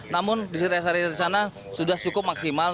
namun res area di sana sudah cukup maksimal